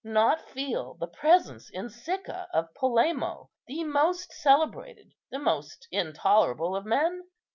Not feel the presence in Sicca of Polemo, the most celebrated, the most intolerable of men?